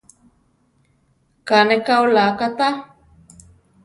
Ká ne ka olá katá.